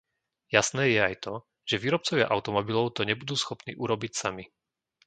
Jasné je aj to, že výrobcovia automobilov to nebudú schopní urobiť sami.